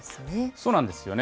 そうなんですよね。